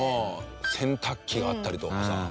洗濯機があったりとかさ。